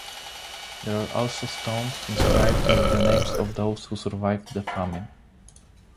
There are also stones inscribed with the names of those who survived the Famine.